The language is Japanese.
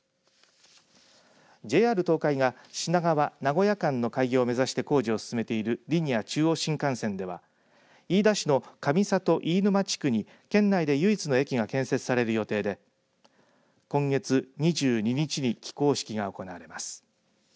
ＪＲ東海が品川、名古屋間の開業を目指して工事を進めているリニア中央新幹線では飯田市の上郷飯沼地区に県内で唯一の駅が建設される予定で今月２２日に起工式が行われます。